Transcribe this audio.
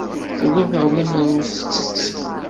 Ugadeɣ lemmer ur tettett.